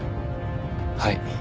はい。